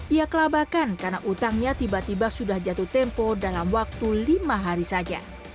ia kelabakan karena utangnya tiba tiba sudah jatuh tempo dalam waktu lima hari saja